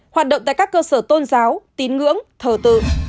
hoạt động tại các cơ sở tôn giáo tín ngưỡng thờ tự